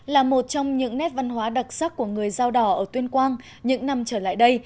là một trong những nét văn hóa đặc sắc của người dao đỏ ở tuyên quang những năm trở lại đây